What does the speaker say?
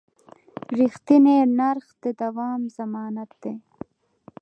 رښتیني نرخ د دوام ضمانت دی.